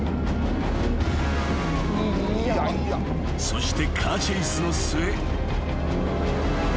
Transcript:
［そしてカーチェイスの末］